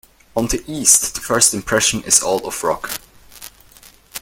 On the east, the first impression is all of rock.